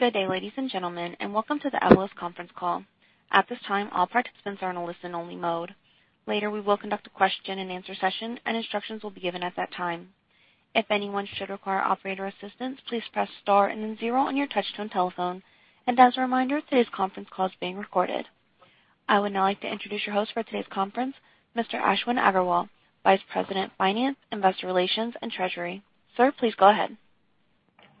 Good day, ladies and gentlemen. Welcome to the Evolus conference call. At this time, all participants are in a listen-only mode. Later, we will conduct a question-and-answer session. Instructions will be given at that time. If anyone should require operator assistance, please press star and then zero on your touch-tone telephone. As a reminder, today's conference call is being recorded. I would now like to introduce your host for today's conference, Mr. Ashwin Agarwal, Vice President of Finance, Investor Relations, and Treasury. Sir, please go ahead.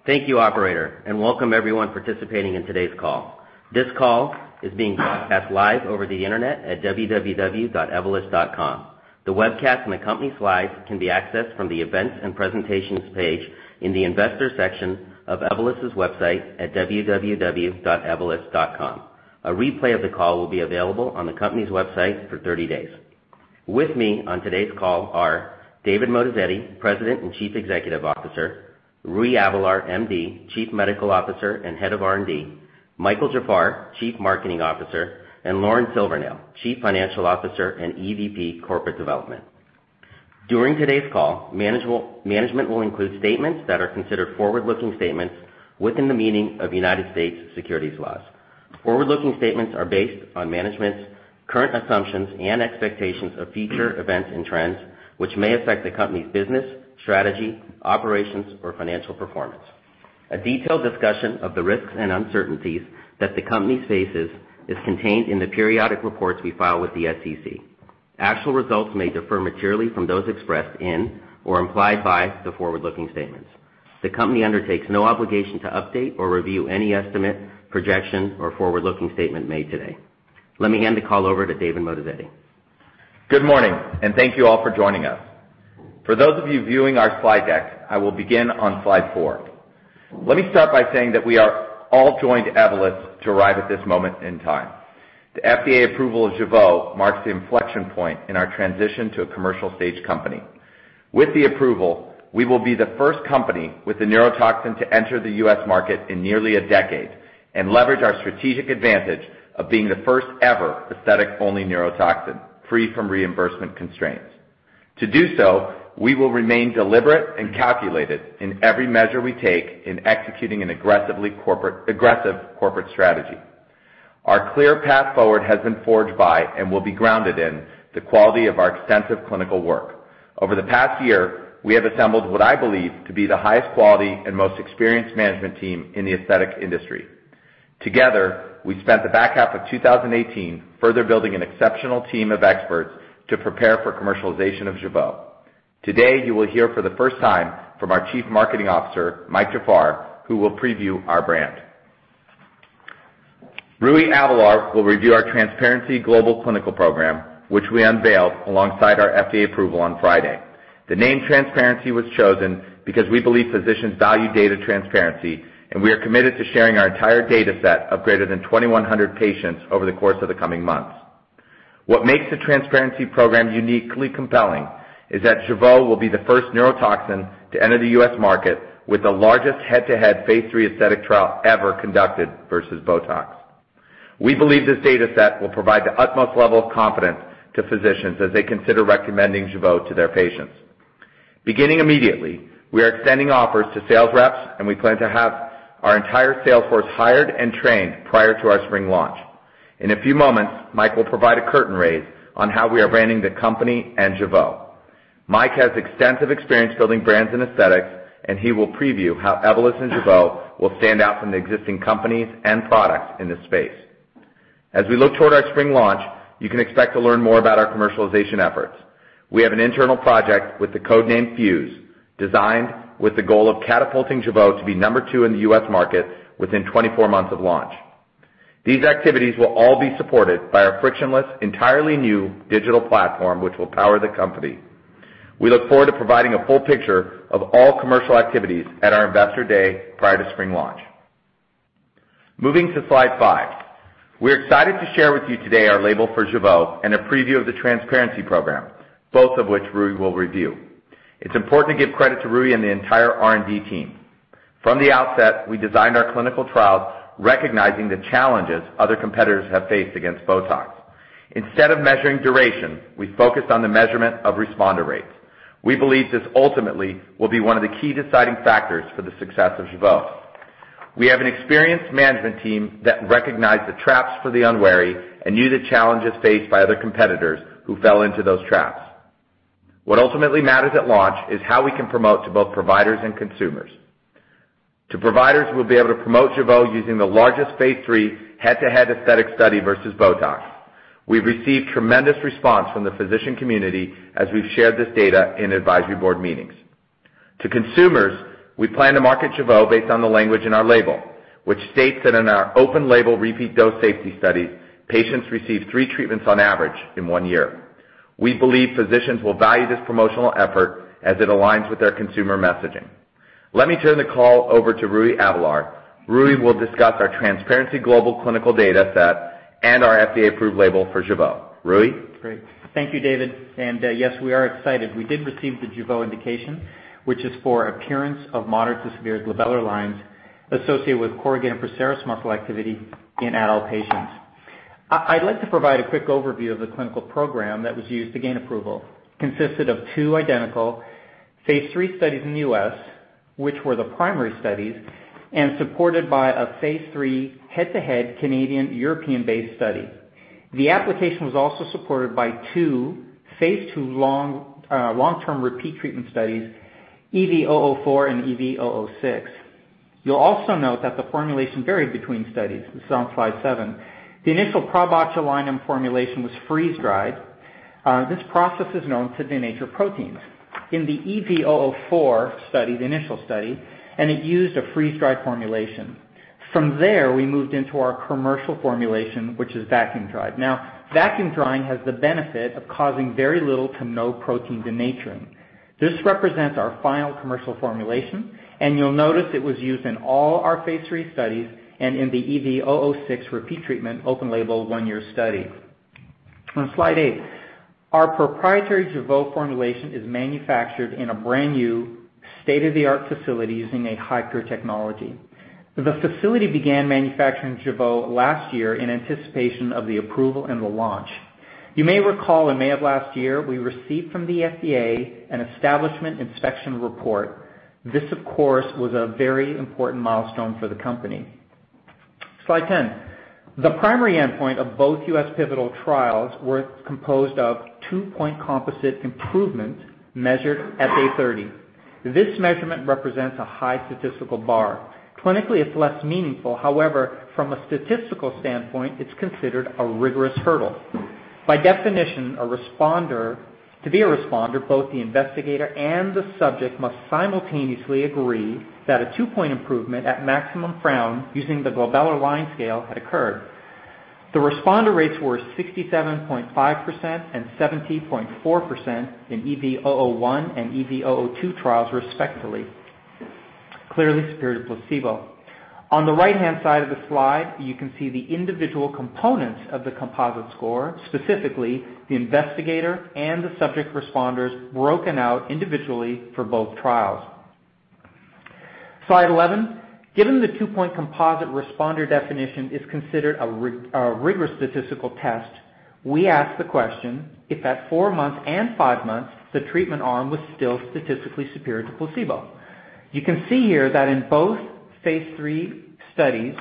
Thank you, operator. Welcome everyone participating in today's call. This call is being broadcast live over the internet at www.evolus.com. The webcast and the company slides can be accessed from the Events and Presentations page in the Investors section of evolus.com. A replay of the call will be available on the company's website for 30 days. With me on today's call are David Moatazedi, President and Chief Executive Officer, Rui Avellar, MD, Chief Medical Officer and Head of R&D, Michael Jafar, Chief Marketing Officer, and Lauren Silvernail, Chief Financial Officer and EVP Corporate Development. During today's call, management will include statements that are considered forward-looking statements within the meaning of U.S. securities laws. Forward-looking statements are based on management's current assumptions and expectations of future events and trends which may affect the company's business, strategy, operations, or financial performance. A detailed discussion of the risks and uncertainties that the company faces is contained in the periodic reports we file with the SEC. Actual results may differ materially from those expressed in or implied by the forward-looking statements. The company undertakes no obligation to update or review any estimate, projection, or forward-looking statement made today. Let me hand the call over to David Moatazedi. Good morning. Thank you all for joining us. For those of you viewing our slide deck, I will begin on slide four. Let me start by saying that we are all joined, Evolus, to arrive at this moment in time. The FDA approval of Jeuveau marks the inflection point in our transition to a commercial-stage company. With the approval, we will be the first company with the neurotoxin to enter the U.S. market in nearly a decade. We will leverage our strategic advantage of being the first ever aesthetic-only neurotoxin, free from reimbursement constraints. To do so, we will remain deliberate and calculated in every measure we take in executing an aggressive corporate strategy. Our clear path forward has been forged by and will be grounded in the quality of our extensive clinical work. Over the past year, we have assembled what I believe to be the highest quality and most experienced management team in the aesthetic industry. Together, we spent the back half of 2018 further building an exceptional team of experts to prepare for commercialization of Jeuveau. Today, you will hear for the first time from our Chief Marketing Officer, Mike Jafar, who will preview our brand. Rui Avellar will review our TRANSPARENCY Global Clinical Program, which we unveiled alongside our FDA approval on Friday. The name TRANSPARENCY was chosen because we believe physicians value data transparency, and we are committed to sharing our entire data set of greater than 2,100 patients over the course of the coming months. What makes the TRANSPARENCY program uniquely compelling is that Jeuveau will be the first neurotoxin to enter the U.S. market with the largest head-to-head phase III aesthetic trial ever conducted versus Botox. We believe this data set will provide the utmost level of confidence to physicians as they consider recommending Jeuveau to their patients. Beginning immediately, we are extending offers to sales reps, and we plan to have our entire sales force hired and trained prior to our spring launch. In a few moments, Mike will provide a curtain raise on how we are branding the company and Jeuveau. Mike has extensive experience building brands in aesthetics, and he will preview how Evolus and Jeuveau will stand out from the existing companies and products in this space. As we look toward our spring launch, you can expect to learn more about our commercialization efforts. We have an internal project with the code name FUSE, designed with the goal of catapulting Jeuveau to be number two in the U.S. market within 24 months of launch. These activities will all be supported by our frictionless, entirely new digital platform, which will power the company. We look forward to providing a full picture of all commercial activities at our investor day prior to spring launch. Moving to slide five. We're excited to share with you today our label for Jeuveau and a preview of the TRANSPARENCY program, both of which Rui will review. It's important to give credit to Rui and the entire R&D team. From the outset, we designed our clinical trials recognizing the challenges other competitors have faced against Botox. Instead of measuring duration, we focused on the measurement of responder rates. We believe this ultimately will be one of the key deciding factors for the success of Jeuveau. We have an experienced management team that recognized the traps for the unwary and knew the challenges faced by other competitors who fell into those traps. What ultimately matters at launch is how we can promote to both providers and consumers. To providers, we'll be able to promote Jeuveau using the largest phase III head-to-head aesthetic study versus Botox. We've received tremendous response from the physician community as we've shared this data in advisory board meetings. To consumers, we plan to market Jeuveau based on the language in our label, which states that in our open label repeat dose safety study, patients received three treatments on average in one year. We believe physicians will value this promotional effort as it aligns with their consumer messaging. Let me turn the call over to Rui Avellar. Rui will discuss our TRANSPARENCY global clinical data set and our FDA-approved label for Jeuveau. Rui? Great. Thank you, David. Yes, we are excited. We did receive the Jeuveau indication, which is for appearance of moderate to severe glabellar lines associated with corrugator and procerus muscle activity in adult patients. I'd like to provide a quick overview of the clinical program that was used to gain approval. It consisted of two identical phase III studies in the U.S., which were the primary studies, supported by a phase III head-to-head Canadian, European-based study. The application was also supported by two phase II long-term repeat treatment studies, EV-004 and EV-006. You'll also note that the formulation varied between studies. This is on slide seven. The initial prabotulinum formulation was freeze-dried. This process is known to denature proteins. In the EV-004 study, the initial study, it used a freeze-dried formulation. From there, we moved into our commercial formulation, which is vacuum-dried. Vacuum drying has the benefit of causing very little to no protein denaturing. This represents our final commercial formulation. You'll notice it was used in all our phase III studies and in the EV-006 repeat treatment open label one-year study. On slide eight, our proprietary Jeuveau formulation is manufactured in a brand-new state-of-the-art facility using a Hi-Pure technology. The facility began manufacturing Jeuveau last year in anticipation of the approval and the launch. You may recall in May of last year, we received from the FDA an Establishment Inspection Report. This, of course, was a very important milestone for the company. Slide 10. The primary endpoint of both U.S. pivotal trials were composed of two-point composite improvements measured at day 30. This measurement represents a high statistical bar. Clinically, it's less meaningful. From a statistical standpoint, it's considered a rigorous hurdle. By definition, to be a responder, both the investigator and the subject must simultaneously agree that a two-point improvement at maximum frown using the Glabellar Line Scale had occurred. The responder rates were 67.5% and 70.4% in EV-001 and EV-002 trials, respectively. Clearly superior to placebo. On the right-hand side of the slide, you can see the individual components of the composite score, specifically the investigator and the subject responders broken out individually for both trials. Slide 11. Given the two-point composite responder definition is considered a rigorous statistical test, we ask the question if at four months and five months, the treatment arm was still statistically superior to placebo. You can see here that in both phase III studies,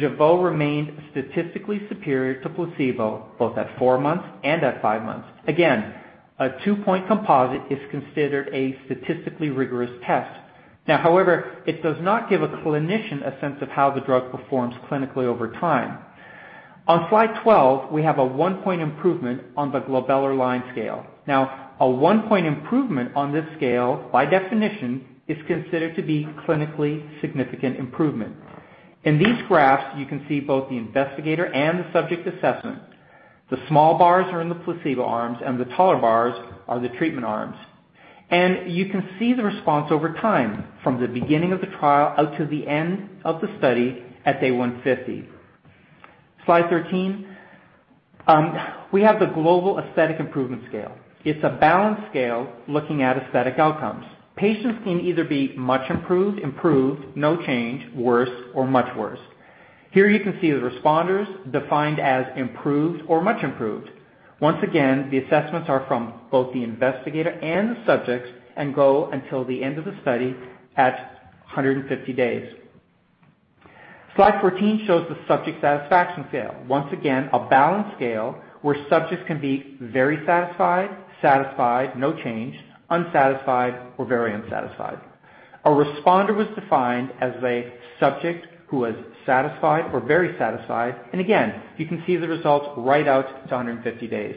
Jeuveau remained statistically superior to placebo, both at four months and at five months. Again, a two-point composite is considered a statistically rigorous test. However, it does not give a clinician a sense of how the drug performs clinically over time. On slide 12, we have a one-point improvement on the Glabellar Line Scale. A one-point improvement on this scale, by definition, is considered to be clinically significant improvement. In these graphs, you can see both the investigator and the subject assessment. The small bars are in the placebo arms, and the taller bars are the treatment arms. You can see the response over time from the beginning of the trial out to the end of the study at day 150. Slide 13. We have the Global Aesthetic Improvement Scale. It's a balanced scale looking at aesthetic outcomes. Patients can either be much improved, no change, worse, or much worse. Here you can see the responders defined as improved or much improved. Once again, the assessments are from both the investigator and the subjects and go until the end of the study at 150 days. Slide 14 shows the subject satisfaction scale. Once again, a balanced scale where subjects can be very satisfied, no change, unsatisfied, or very unsatisfied. A responder was defined as a subject who was satisfied or very satisfied. Again, you can see the results right out to 150 days.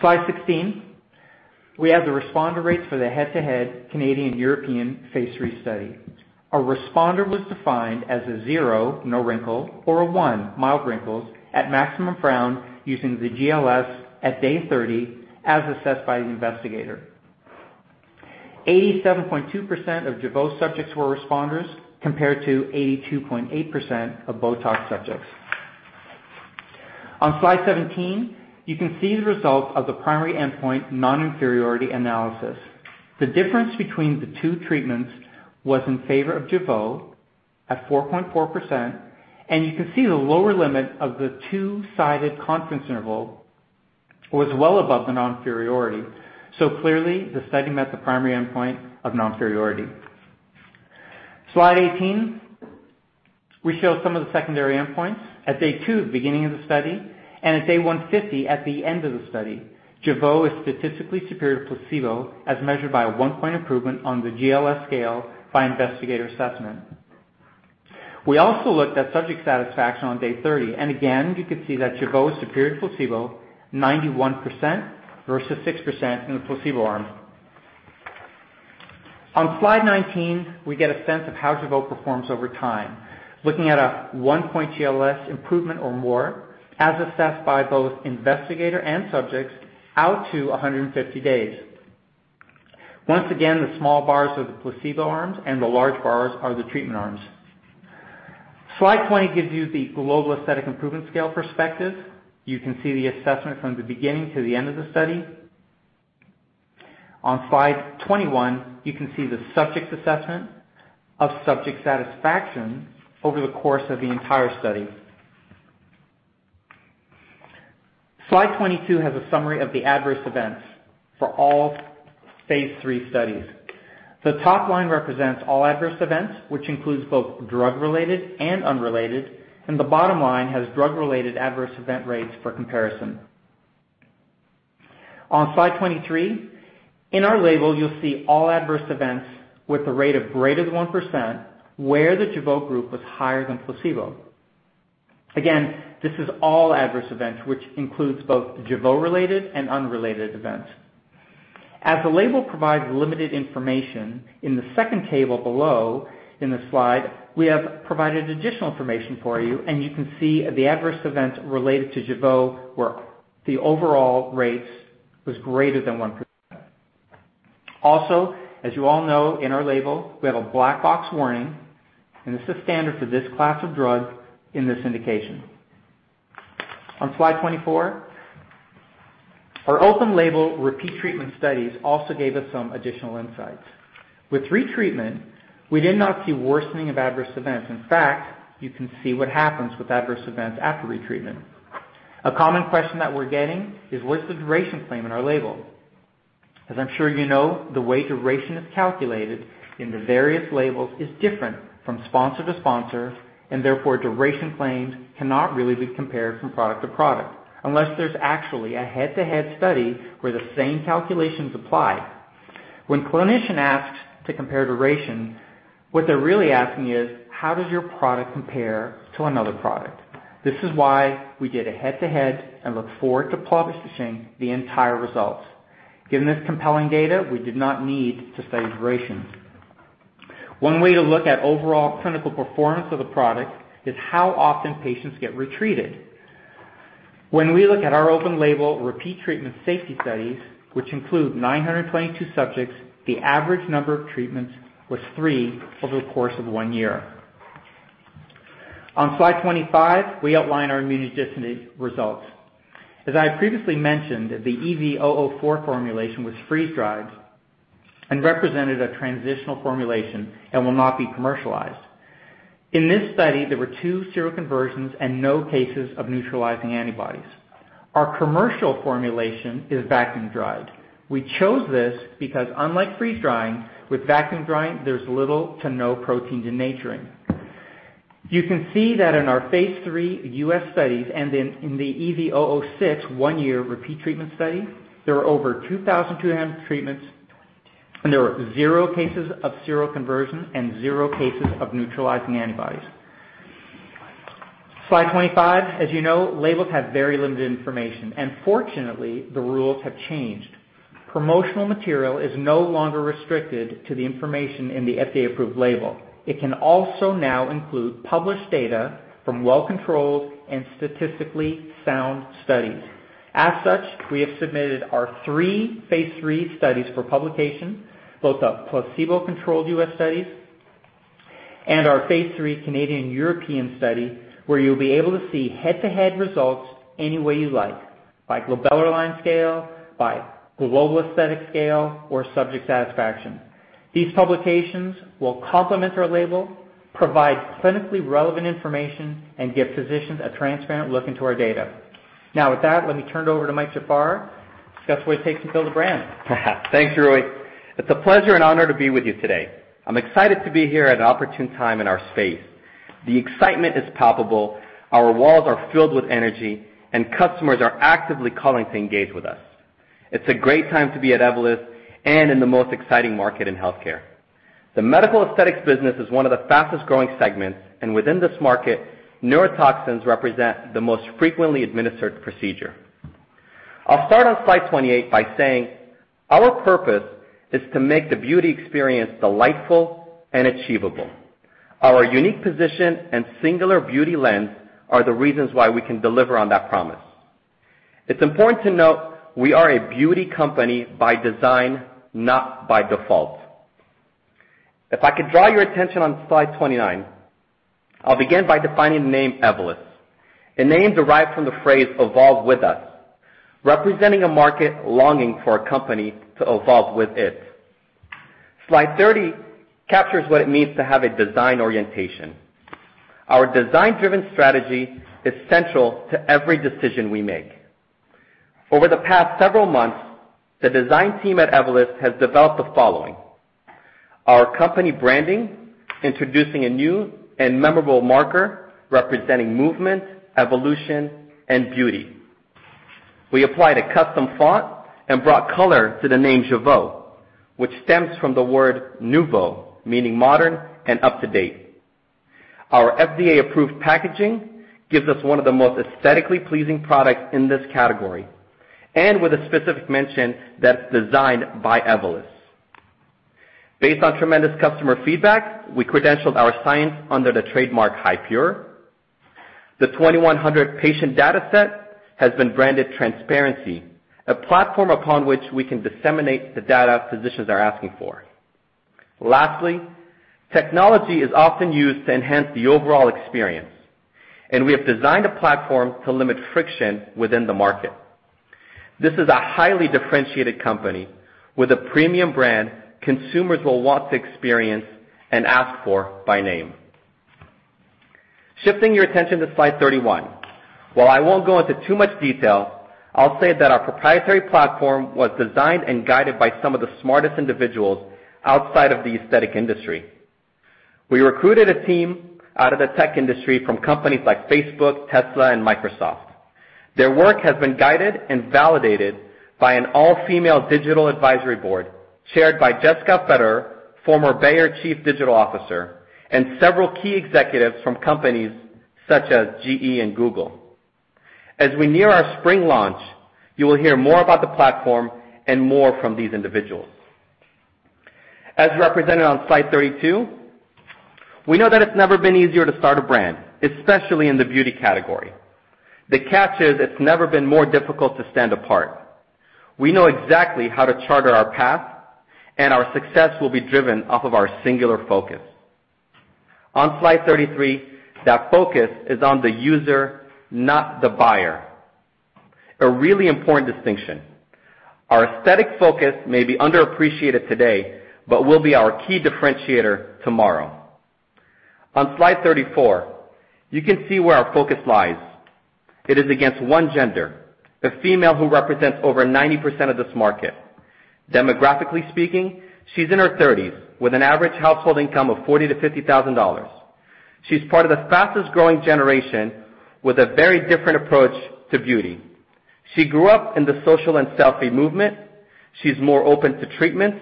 Slide 16. We have the responder rates for the head-to-head Canadian-European phase III study. A responder was defined as a zero, no wrinkle, or a one, mild wrinkles, at maximum frown using the GLS at day 30 as assessed by the investigator. 87.2% of Jeuveau subjects were responders, compared to 82.8% of Botox subjects. On slide 17, you can see the result of the primary endpoint non-inferiority analysis. The difference between the two treatments was in favor of Jeuveau at 4.4%. You can see the lower limit of the two-sided confidence interval was well above the non-inferiority. Clearly, the study met the primary endpoint of non-inferiority. Slide 18. We show some of the secondary endpoints at day two, the beginning of the study, and at day 150, at the end of the study. Jeuveau is statistically superior to placebo as measured by a one-point improvement on the GLS scale by investigator assessment. We also looked at subject satisfaction on day 30. Again, you can see that Jeuveau is superior to placebo, 91% versus 6% in the placebo arm. On slide 19, we get a sense of how Jeuveau performs over time. Looking at a one-point GLS improvement or more, as assessed by both investigator and subjects, out to 150 days. Once again, the small bars are the placebo arms. The large bars are the treatment arms. Slide 20 gives you the Global Aesthetic Improvement Scale perspective. You can see the assessment from the beginning to the end of the study. On slide 21, you can see the subjects' assessment of subject satisfaction over the course of the entire study. Slide 22 has a summary of the adverse events for all phase III studies. The top line represents all adverse events, which includes both drug-related and unrelated. The bottom line has drug-related adverse event rates for comparison. On slide 23, in our label, you'll see all adverse events with a rate of greater than 1% where the Jeuveau group was higher than placebo. Again, this is all adverse events, which includes both Jeuveau-related and unrelated events. As the label provides limited information, in the second table below in the slide, we have provided additional information for you, and you can see the adverse events related to Jeuveau where the overall rates was greater than 1%. Also, as you all know, in our label, we have a black box warning, and this is standard for this class of drugs in this indication. On slide 24, our open-label repeat treatment studies also gave us some additional insights. With retreatment, we did not see worsening of adverse events. In fact, you can see what happens with adverse events after retreatment. A common question that we're getting is, what's the duration claim in our label? As I'm sure you know, the way duration is calculated in the various labels is different from sponsor to sponsor, and therefore, duration claims cannot really be compared from product to product, unless there's actually a head-to-head study where the same calculations apply. When clinician asks to compare duration, what they're really asking is, how does your product compare to another product? This is why we did a head-to-head and look forward to publishing the entire results. Given this compelling data, we did not need to study durations. One way to look at overall clinical performance of the product is how often patients get retreated. When we look at our open-label repeat treatment safety studies, which include 922 subjects, the average number of treatments was three over the course of one year. On slide 25, we outline our immunogenicity results. As I previously mentioned, the EV-004 formulation was freeze-dried and represented a transitional formulation and will not be commercialized. In this study, there were two seroconversions and no cases of neutralizing antibodies. Our commercial formulation is vacuum-dried. We chose this because unlike freeze-drying, with vacuum-drying, there's little to no protein denaturing. You can see that in our phase III U.S. studies and in the EV-006 one-year repeat treatment study, there are over 2,200 treatments, and there are zero cases of seroconversion and zero cases of neutralizing antibodies. Slide 25. As you know, labels have very limited information, and fortunately, the rules have changed. Promotional material is no longer restricted to the information in the FDA-approved label. It can also now include published data from well-controlled and statistically sound studies. As such, we have submitted our three phase III studies for publication, both our placebo-controlled U.S. studies and our phase III Canadian European study, where you'll be able to see head-to-head results any way you like, by glabellar line scale, by Global Aesthetic Scale, or subject satisfaction. These publications will complement our label, provide clinically relevant information, and give physicians a transparent look into our data. Now, with that, let me turn it over to Mike Jafar to discuss what it takes to build a brand. Thanks, Rui. It's a pleasure and honor to be with you today. I'm excited to be here at an opportune time in our space. The excitement is palpable, our walls are filled with energy, and customers are actively calling to engage with us. It's a great time to be at Evolus and in the most exciting market in healthcare. The medical aesthetics business is one of the fastest-growing segments, and within this market, neurotoxins represent the most frequently administered procedure. I'll start on slide 28 by saying our purpose is to make the beauty experience delightful and achievable. Our unique position and singular beauty lens are the reasons why we can deliver on that promise. It's important to note we are a beauty company by design, not by default. If I could draw your attention on slide 29, I'll begin by defining the name Evolus. A name derived from the phrase "evolve with us," representing a market longing for a company to evolve with it. Slide 30 captures what it means to have a design orientation. Our design-driven strategy is central to every decision we make. Over the past several months, the design team at Evolus has developed the following. Our company branding, introducing a new and memorable marker representing movement, evolution, and beauty. We applied a custom font and brought color to the name Jeuveau, which stems from the word nouveau, meaning modern and up-to-date. Our FDA-approved packaging gives us one of the most aesthetically pleasing products in this category, and with a specific mention that it's designed by Evolus. Based on tremendous customer feedback, we credentialed our science under the trademark Hi-Pure. The 2,100-patient dataset has been branded TRANSPARENCY, a platform upon which we can disseminate the data physicians are asking for. Lastly, technology is often used to enhance the overall experience, and we have designed a platform to limit friction within the market. This is a highly differentiated company with a premium brand consumers will want to experience and ask for by name. Shifting your attention to slide 31. While I won't go into too much detail, I'll say that our proprietary platform was designed and guided by some of the smartest individuals outside of the aesthetic industry. We recruited a team out of the tech industry from companies like Facebook, Tesla, and Microsoft. Their work has been guided and validated by an all-female digital advisory board chaired by Jessica Fetter, former Bayer Chief Digital Officer, and several key executives from companies such as GE and Google. As we near our spring launch, you will hear more about the platform and more from these individuals. As represented on slide 32, we know that it's never been easier to start a brand, especially in the beauty category. The catch is it's never been more difficult to stand apart. We know exactly how to charter our path, and our success will be driven off of our singular focus. On slide 33, that focus is on the user, not the buyer. A really important distinction. Our aesthetic focus may be underappreciated today but will be our key differentiator tomorrow. On slide 34, you can see where our focus lies. It is against one gender, the female, who represents over 90% of this market. Demographically speaking, she's in her 30s with an average household income of $40,000-$50,000. She's part of the fastest-growing generation with a very different approach to beauty. She grew up in the social and selfie movement. She's more open to treatments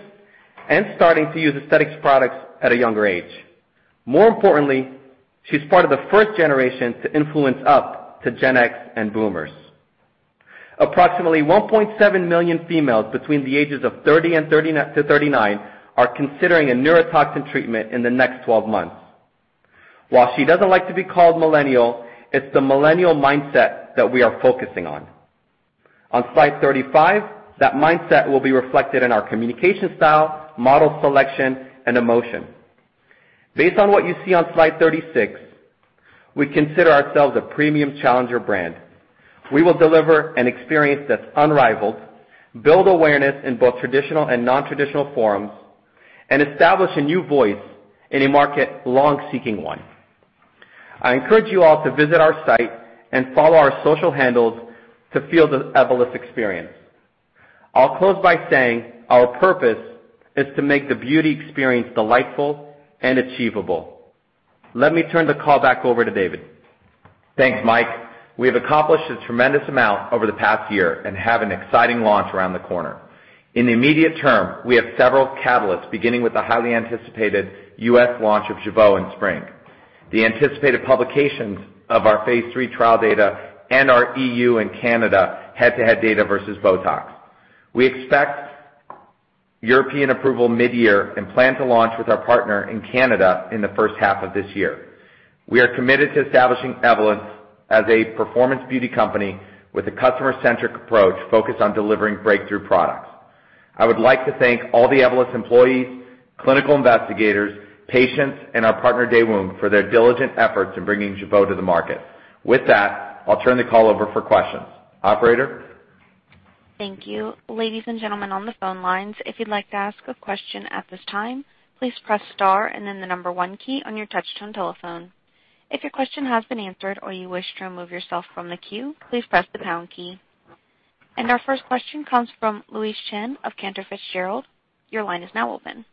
and starting to use aesthetics products at a younger age. More importantly, she's part of the first generation to influence up to Gen X and boomers. Approximately 1.7 million females between the ages of 30 and 39 are considering a neurotoxin treatment in the next 12 months. While she doesn't like to be called millennial, it's the millennial mindset that we are focusing on. On slide 35, that mindset will be reflected in our communication style, model selection, and emotion. Based on what you see on slide 36, we consider ourselves a premium challenger brand. We will deliver an experience that's unrivaled, build awareness in both traditional and non-traditional forums, and establish a new voice in a market long seeking one. I encourage you all to visit our site and follow our social handles to feel the Evolus experience. I'll close by saying our purpose is to make the beauty experience delightful and achievable. Let me turn the call back over to David. Thanks, Mike. We have accomplished a tremendous amount over the past year and have an exciting launch around the corner. In the immediate term, we have several catalysts, beginning with the highly anticipated U.S. launch of Jeuveau in spring, the anticipated publications of our phase III trial data, and our EU and Canada head-to-head data versus Botox. We expect European approval mid-year and plan to launch with our partner in Canada in the first half of this year. We are committed to establishing Evolus as a performance beauty company with a customer-centric approach focused on delivering breakthrough products. I would like to thank all the Evolus employees, clinical investigators, patients, and our partner, Daewoong, for their diligent efforts in bringing Jeuveau to the market. With that, I'll turn the call over for questions. Operator? Thank you. Ladies and gentlemen on the phone lines, if you'd like to ask a question at this time, please press star and then the number one key on your touch-tone telephone. If your question has been answered or you wish to remove yourself from the queue, please press the pound key. Our first question comes from Louise Chen of Cantor Fitzgerald. Your line is now open.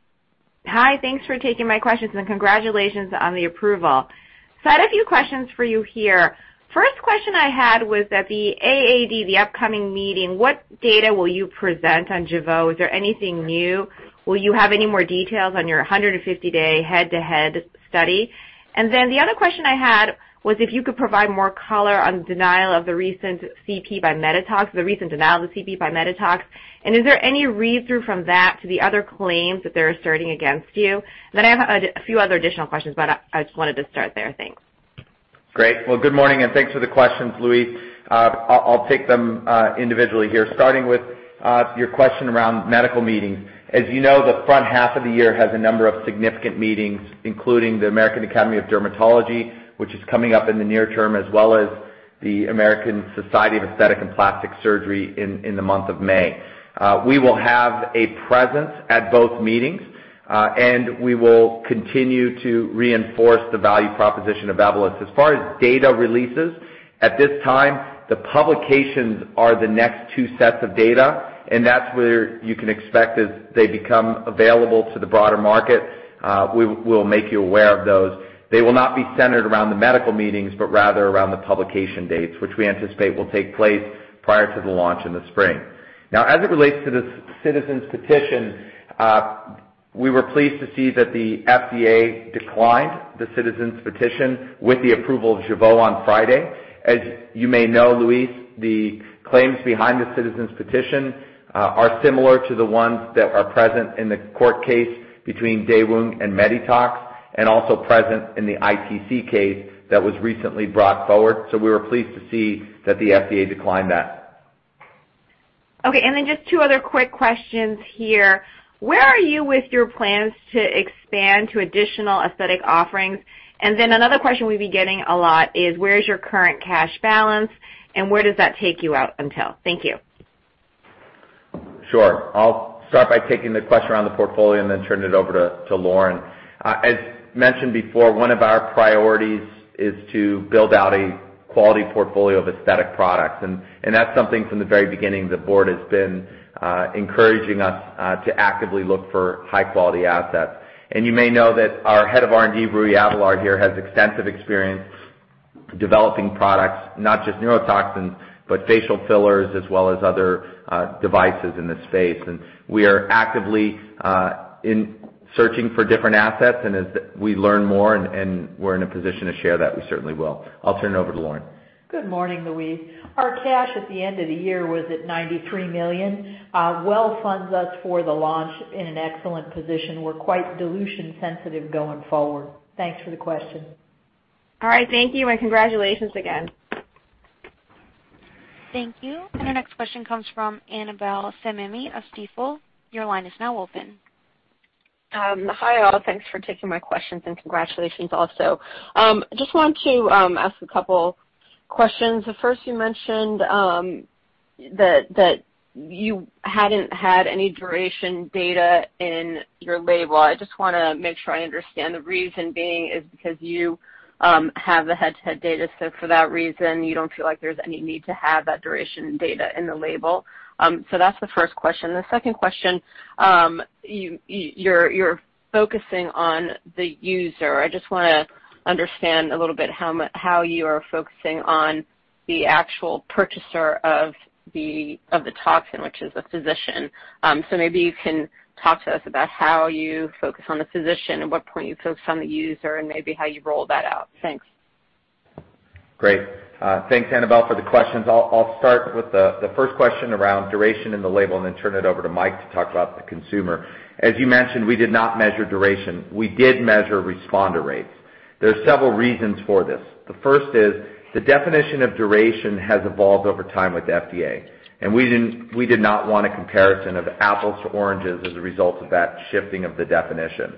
Hi. Thanks for taking my questions, and congratulations on the approval. I had a few questions for you here. First question I had was at the AAD, the upcoming meeting, what data will you present on Jeuveau? Is there anything new? Will you have any more details on your 150-day head-to-head study? The other question I had was if you could provide more color on the denial of the recent CP by Medytox, the recent denial of the CP by Medytox. Is there any read-through from that to the other claims that they're asserting against you? I have a few other additional questions, but I just wanted to start there. Thanks. Great. Well, good morning, and thanks for the questions, Louise. I'll take them individually here, starting with your question around medical meetings. As you know, the front half of the year has a number of significant meetings, including the American Academy of Dermatology, which is coming up in the near term, as well as the American Society for Aesthetic Plastic Surgery in the month of May. We will have a presence at both meetings, and we will continue to reinforce the value proposition of Evolus. As far as data releases, at this time, the publications are the next two sets of data, and that's where you can expect as they become available to the broader market, we will make you aware of those. They will not be centered around the medical meetings but rather around the publication dates, which we anticipate will take place prior to the launch in the spring. As it relates to the citizen petition, we were pleased to see that the FDA declined the citizen petition with the approval of Jeuveau on Friday. As you may know, Louise, the claims behind the citizen petition are similar to the ones that are present in the court case between Daewoong and Medytox and also present in the ITC case that was recently brought forward. We were pleased to see that the FDA declined that. Okay, just two other quick questions here. Where are you with your plans to expand to additional aesthetic offerings? Another question we've been getting a lot is, where is your current cash balance, and where does that take you out until? Thank you. Sure. I'll start by taking the question around the portfolio and then turn it over to Lauren. As mentioned before, one of our priorities is to build out a quality portfolio of aesthetic products. That's something from the very beginning, the board has been encouraging us to actively look for high-quality assets. You may know that our head of R&D, Rui Avellar here, has extensive experience developing products, not just neurotoxins, but facial fillers as well as other devices in this space. We are actively searching for different assets, and as we learn more and we're in a position to share that, we certainly will. I'll turn it over to Lauren. Good morning, Louise. Our cash at the end of the year was at $93 million. Well funds us for the launch in an excellent position. We're quite dilution sensitive going forward. Thanks for the question. All right. Thank you, and congratulations again. Thank you. Our next question comes from Annabel Samimy of Stifel. Your line is now open. Hi, all. Thanks for taking my questions, and congratulations also. Just want to ask a couple questions. The first, you mentioned that you hadn't had any duration data in your label. I just want to make sure I understand the reason being is because you have the head-to-head data, for that reason, you don't feel like there's any need to have that duration data in the label. That's the first question. The second question, you're focusing on the user. I just want to understand a little bit how you are focusing on the actual purchaser of the toxin, which is a physician. Maybe you can talk to us about how you focus on the physician, at what point you focus on the user, and maybe how you roll that out. Thanks. Great. Thanks, Annabel, for the questions. I'll start with the first question around duration in the label and then turn it over to Mike to talk about the consumer. As you mentioned, we did not measure duration. We did measure responder rates. There are several reasons for this. The first is the definition of duration has evolved over time with the FDA. We did not want a comparison of apples to oranges as a result of that shifting of the definition.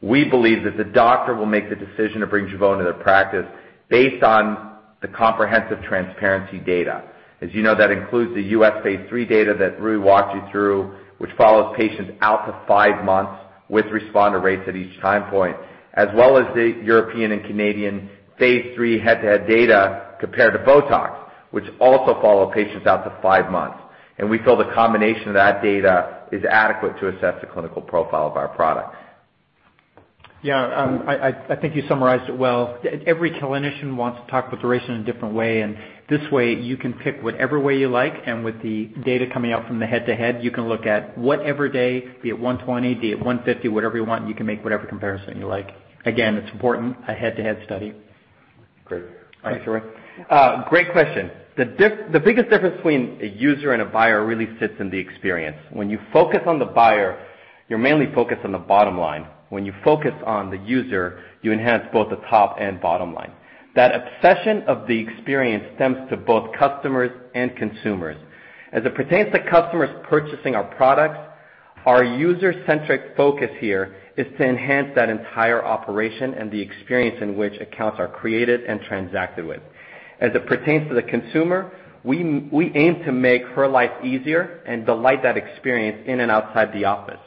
We believe that the doctor will make the decision to bring Jeuveau into their practice based on the comprehensive TRANSPARENCY data. As you know, that includes the U.S. phase III data that Rui walked you through, which follows patients out to five months with responder rates at each time point, as well as the European and Canadian phase III head-to-head data compared to Botox, which also follow patients out to five months. We feel the combination of that data is adequate to assess the clinical profile of our product. Yeah. I think you summarized it well. Every clinician wants to talk about duration in a different way. This way you can pick whatever way you like. With the data coming out from the head-to-head, you can look at whatever day, be it 120, be it 150, whatever you want, you can make whatever comparison you like. Again, it's important, a head-to-head study. Great. Thanks, Mike. Sure. Great question. The biggest difference between a user and a buyer really sits in the experience. When you focus on the buyer, you're mainly focused on the bottom line. When you focus on the user, you enhance both the top and bottom line. That obsession of the experience stems to both customers and consumers. As it pertains to customers purchasing our products, our user-centric focus here is to enhance that entire operation and the experience in which accounts are created and transacted with. As it pertains to the consumer, we aim to make her life easier and delight that experience in and outside the office.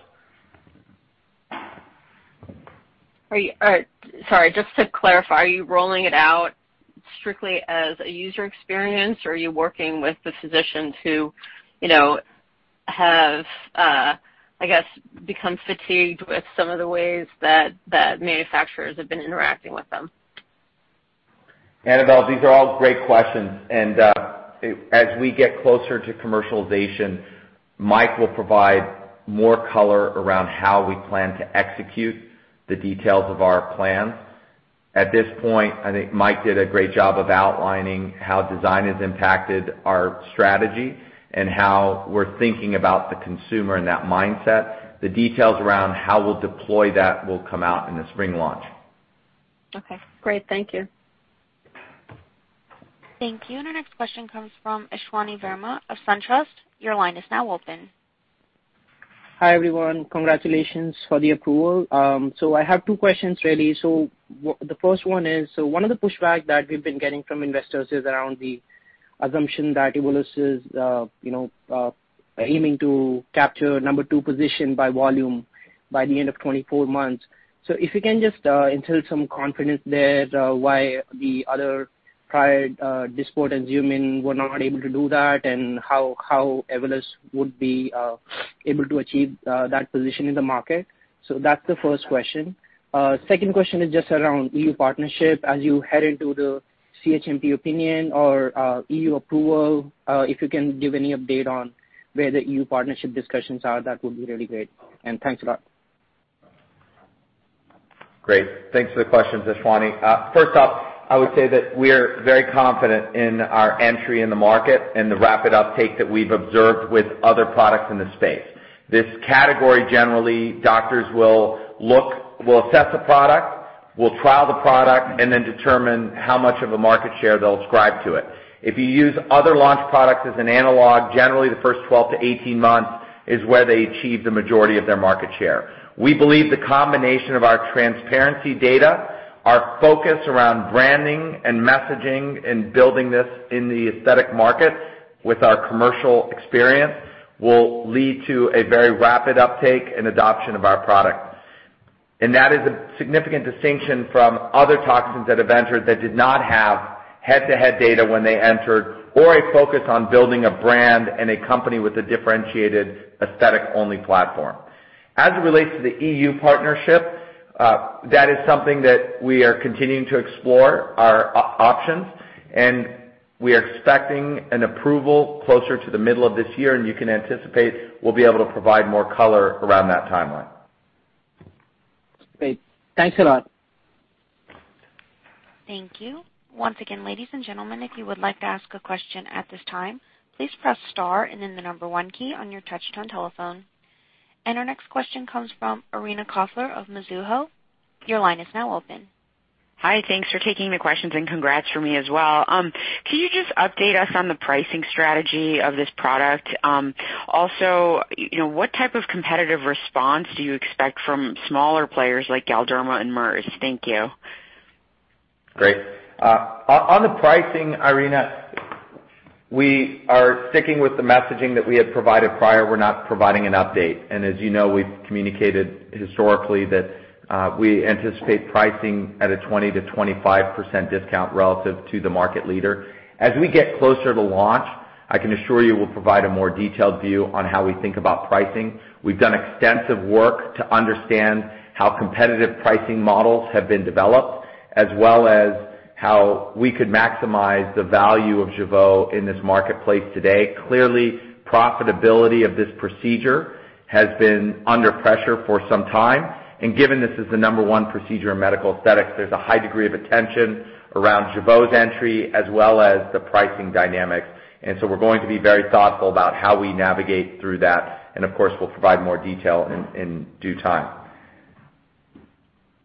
Sorry, just to clarify, are you rolling it out strictly as a user experience, or are you working with the physicians who have, I guess, become fatigued with some of the ways that manufacturers have been interacting with them? Annabel, these are all great questions. As we get closer to commercialization, Mike will provide more color around how we plan to execute the details of our plan. At this point, I think Mike did a great job of outlining how design has impacted our strategy and how we're thinking about the consumer in that mindset. The details around how we'll deploy that will come out in the spring launch. Okay, great. Thank you. Thank you. Our next question comes from Ashwani Verma of SunTrust. Your line is now open. Hi, everyone. Congratulations for the approval. I have two questions really. The first one is, one of the pushback that we've been getting from investors is around the assumption that Evolus is aiming to capture number two position by volume by the end of 24 months. If you can just instill some confidence there why the other prior, Dysport and Xeomin, were not able to do that, and how Evolus would be able to achieve that position in the market. That's the first question. Second question is just around EU partnership. As you head into the CHMP opinion or EU approval, if you can give any update on where the EU partnership discussions are, that would be really great. Thanks a lot. Great. Thanks for the questions, Ashwani. First off, I would say that we're very confident in our entry in the market and the rapid uptake that we've observed with other products in the space. This category, generally, doctors will assess a product, trial the product and then determine how much of a market share they'll ascribe to it. If you use other launch products as an analog, generally the first 12-18 months is where they achieve the majority of their market share. We believe the combination of our TRANSPARENCY data, our focus around branding and messaging, and building this in the aesthetic markets with our commercial experience will lead to a very rapid uptake and adoption of our product. That is a significant distinction from other toxins that have entered that did not have head-to-head data when they entered or a focus on building a brand and a company with a differentiated aesthetic-only platform. As it relates to the EU partnership, that is something that we are continuing to explore our options, and we are expecting an approval closer to the middle of this year, and you can anticipate we'll be able to provide more color around that timeline. Great. Thanks a lot. Thank you. Once again, ladies and gentlemen, if you would like to ask a question at this time, please press star and then the number one key on your touch-tone telephone. Our next question comes from Irina Koffler of Mizuho. Your line is now open. Hi. Thanks for taking the questions and congrats from me as well. Can you just update us on the pricing strategy of this product? Also, what type of competitive response do you expect from smaller players like Galderma and Merz? Thank you. Great. On the pricing, Irina, we are sticking with the messaging that we had provided prior. We're not providing an update. As you know, we've communicated historically that we anticipate pricing at a 20%-25% discount relative to the market leader. As we get closer to launch, I can assure you we'll provide a more detailed view on how we think about pricing. We've done extensive work to understand how competitive pricing models have been developed, as well as how we could maximize the value of Jeuveau in this marketplace today. Clearly, profitability of this procedure has been under pressure for some time, and given this is the number one procedure in medical aesthetics, there's a high degree of attention around Jeuveau's entry as well as the pricing dynamics. We're going to be very thoughtful about how we navigate through that, and of course, we'll provide more detail in due time.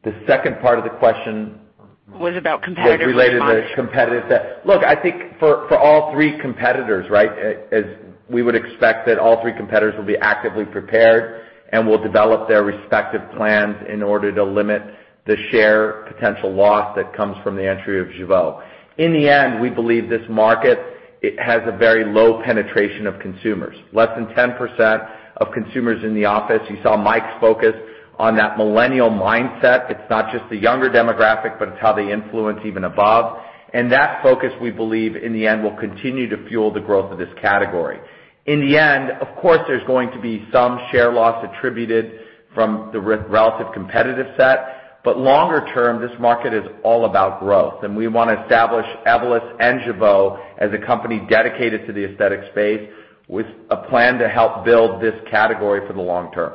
The second part of the question- Was about competitive response was related to the competitive set. Look, I think for all three competitors, as we would expect that all three competitors will be actively prepared and will develop their respective plans in order to limit the share potential loss that comes from the entry of Jeuveau. In the end, we believe this market has a very low penetration of consumers, less than 10% of consumers in the office. You saw Mike's focus on that millennial mindset. It's not just the younger demographic, but it's how they influence even above. That focus, we believe, in the end, will continue to fuel the growth of this category. In the end, of course, there's going to be some share loss attributed from the relative competitive set, but longer term, this market is all about growth, and we want to establish Evolus and Jeuveau as a company dedicated to the aesthetic space with a plan to help build this category for the long term.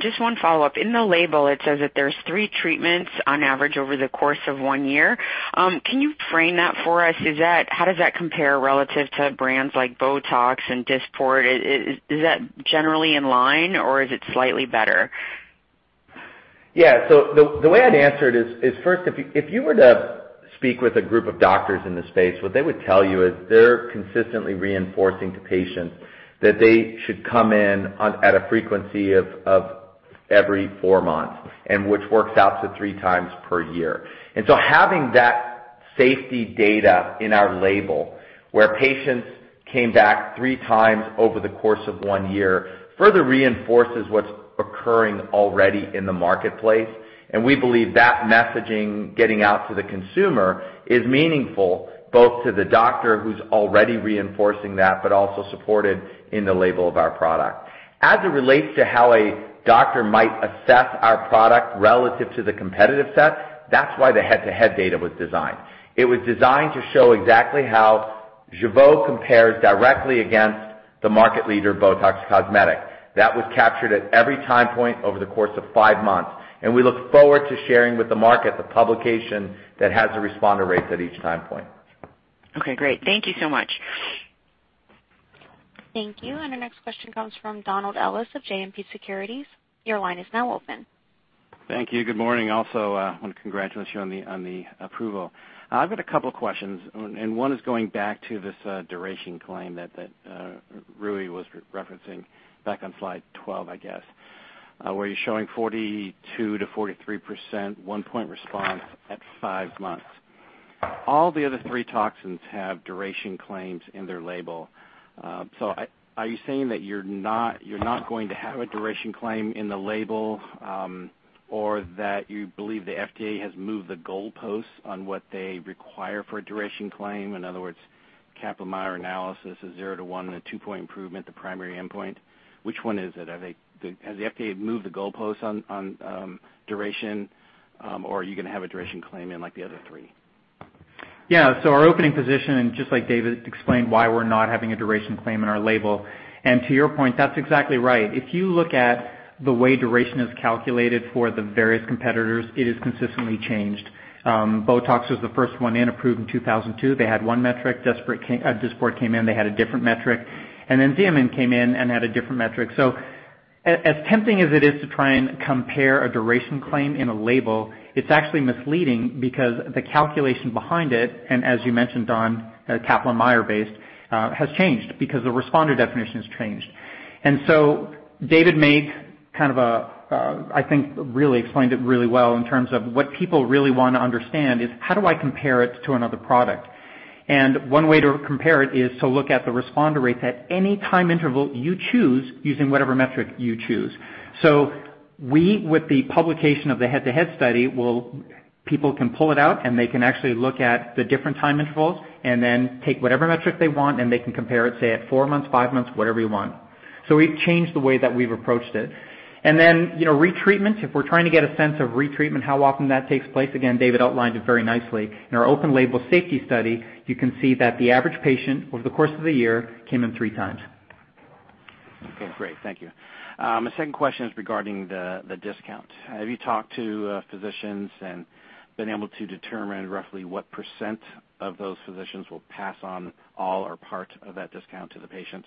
Just one follow-up. In the label, it says that there's three treatments on average over the course of one year. Can you frame that for us? How does that compare relative to brands like Botox and Dysport? Is that generally in line, or is it slightly better? The way I'd answer it is first, if you were to speak with a group of doctors in the space, what they would tell you is they're consistently reinforcing to patients that they should come in at a frequency of every four months, which works out to three times per year. Having that safety data in our label, where patients came back three times over the course of one year, further reinforces what's occurring already in the marketplace. We believe that messaging getting out to the consumer is meaningful, both to the doctor who's already reinforcing that, but also supported in the label of our product. As it relates to how a doctor might assess our product relative to the competitive set, that's why the head-to-head data was designed. It was designed to show exactly how Jeuveau compares directly against the market leader, Botox Cosmetic. That was captured at every time point over the course of five months. We look forward to sharing with the market the publication that has the responder rates at each time point. Okay, great. Thank you so much. Thank you. Our next question comes from Donald Ellis of JMP Securities. Your line is now open. Thank you. Good morning. Also want to congratulate you on the approval. I've got a couple questions, one is going back to this duration claim that Rui was referencing back on slide 12, I guess, where you're showing 42%-43%, one-point response at five months. All the other three toxins have duration claims in their label. Are you saying that you're not going to have a duration claim in the label, or that you believe the FDA has moved the goalposts on what they require for a duration claim? In other words, Kaplan-Meier analysis, a zero to one and a two-point improvement, the primary endpoint. Which one is it? Has the FDA moved the goalposts on duration, or are you going to have a duration claim in like the other three? Our opening position, just like David explained why we're not having a duration claim in our label, to your point, that's exactly right. If you look at the way duration is calculated for the various competitors, it has consistently changed. Botox was the first one in approved in 2002. They had one metric. Dysport came in, they had a different metric, Xeomin came in and had a different metric. As tempting as it is to try and compare a duration claim in a label, it's actually misleading because the calculation behind it, as you mentioned, Don, Kaplan-Meier based, has changed because the responder definition has changed. David made I think really explained it really well in terms of what people really want to understand is how do I compare it to another product? One way to compare it is to look at the responder rates at any time interval you choose, using whatever metric you choose. We, with the publication of the head-to-head study, people can pull it out, and they can actually look at the different time intervals and then take whatever metric they want, and they can compare it, say, at four months, five months, whatever you want. We've changed the way that we've approached it. Then retreatment, if we're trying to get a sense of retreatment, how often that takes place. Again, David outlined it very nicely. In our open label safety study, you can see that the average patient over the course of the year came in three times. Okay, great. Thank you. My second question is regarding the discount. Have you talked to physicians and been able to determine roughly what percent of those physicians will pass on all or part of that discount to the patient?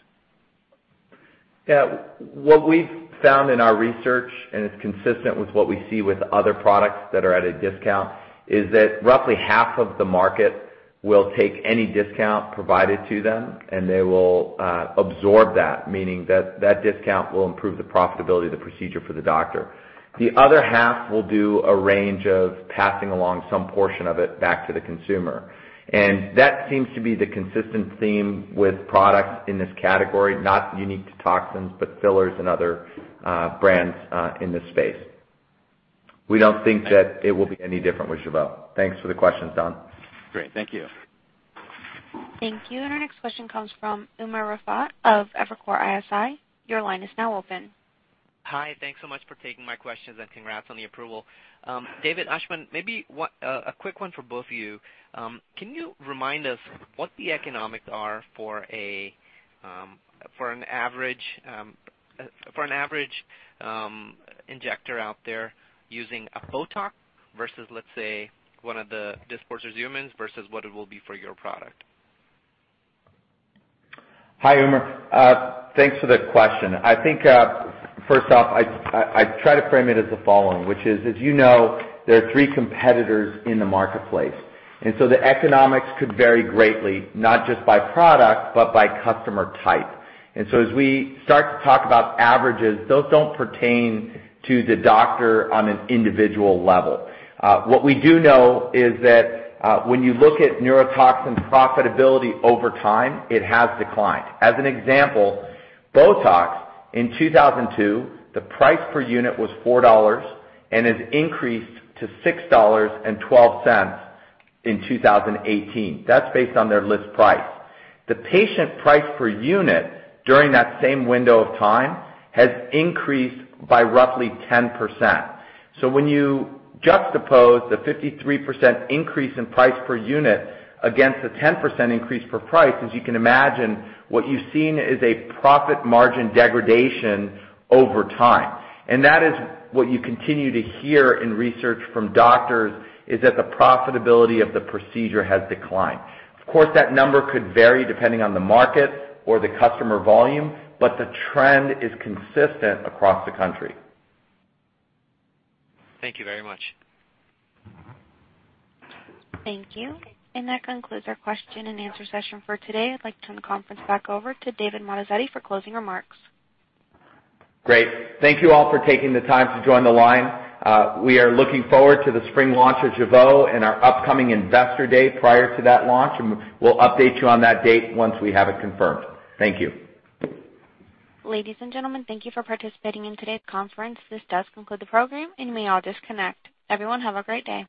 Yeah. What we've found in our research, and it's consistent with what we see with other products that are at a discount, is that roughly half of the market will take any discount provided to them, and they will absorb that, meaning that that discount will improve the profitability of the procedure for the doctor. The other half will do a range of passing along some portion of it back to the consumer. That seems to be the consistent theme with products in this category, not unique to toxins, but fillers and other brands in this space. We don't think that it will be any different with Jeuveau. Thanks for the question, Don. Great. Thank you. Thank you. Our next question comes from Umer Raffat of Evercore ISI. Your line is now open. Hi. Thanks so much for taking my questions. Congrats on the approval. David, Ashwin, maybe a quick one for both of you. Can you remind us what the economics are for an average injector out there using a Botox versus, let's say, one of the Dysport or Xeomins versus what it will be for your product? Hi, Umer. Thanks for the question. I think, first off, I'd try to frame it as the following, which is, as you know, there are three competitors in the marketplace, and so the economics could vary greatly, not just by product, but by customer type. As we start to talk about averages, those don't pertain to the doctor on an individual level. What we do know is that when you look at neurotoxin profitability over time, it has declined. As an example, Botox in 2002, the price per unit was $4 and has increased to $6.12 in 2018. That's based on their list price. The patient price per unit during that same window of time has increased by roughly 10%. When you juxtapose the 53% increase in price per unit against a 10% increase per price, as you can imagine, what you've seen is a profit margin degradation over time. That is what you continue to hear in research from doctors, is that the profitability of the procedure has declined. Of course, that number could vary depending on the market or the customer volume, but the trend is consistent across the country. Thank you very much. Thank you. That concludes our question and answer session for today. I'd like to turn the conference back over to David Moatazedi for closing remarks. Great. Thank you all for taking the time to join the line. We are looking forward to the spring launch of Jeuveau and our upcoming investor date prior to that launch, and we'll update you on that date once we have it confirmed. Thank you. Ladies and gentlemen, thank you for participating in today's conference. This does conclude the program, and you may all disconnect. Everyone have a great day.